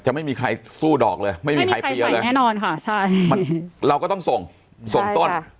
ไม่มีใครสู้ดอกเลยไม่มีใครเปียร์เลยแน่นอนค่ะใช่มันเราก็ต้องส่งส่งต้น